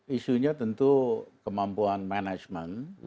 isunya tentu kemampuan management